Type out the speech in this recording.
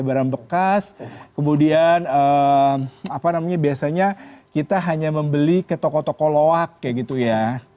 barang bekas kemudian apa namanya biasanya kita hanya membeli ke toko toko loak kayak gitu ya